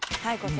はい。